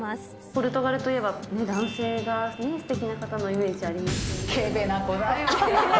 ポルトガルといえば、男性がすてきな方のイメージがありますよね。